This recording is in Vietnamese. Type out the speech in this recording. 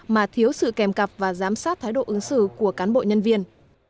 mà thiếu sự kèm cặp và giám sát thái độ ứng xử của cán bộ nhân viên